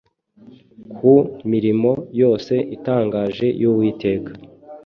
ku mirimo yose itangaje y’Uwiteka.